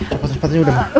cepat cepat aja udah ma